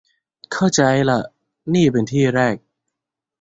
เข้าใจล่ะ นี่เป็นที่แรก